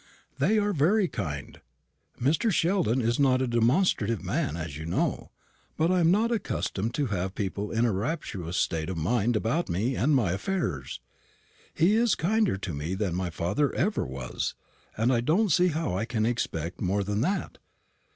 "They are very kind. Mr. Sheldon is not a demonstrative man, as you know; but I am not accustomed to have people in a rapturous state of mind about me and my affairs. He is kinder to me than my father ever was; and I don't see how I can expect more than that.